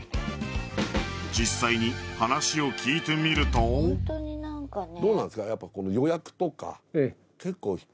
実際に話を聞いてみるとどうなんですか？